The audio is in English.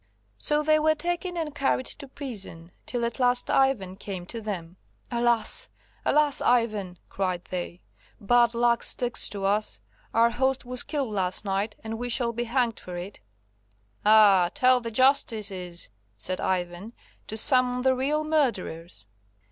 So they were taken and carried to prison, till at last Ivan came to them. "Alas! alas! Ivan," cried they, "bad luck sticks to us; our host was killed last night, and we shall be hanged for it." "Ah, tell the justices," said Ivan, "to summon the real murderers."